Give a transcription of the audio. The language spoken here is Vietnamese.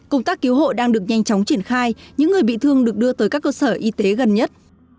công tác cứu hộ đang được nhanh chóng triển khai những người bị thương được đưa tới các cơ sở y tế gần nhất